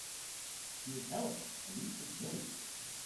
She is Helen, a niece of Millie’s.